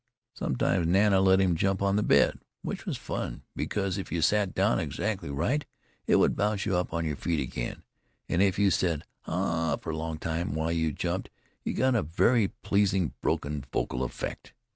Sometimes Nana let him jump on the bed, which was fun, because if you sat down exactly right it would bounce you up on your feet again, and if you said "Ah" for a long time while you jumped you got a very pleasing broken vocal effect.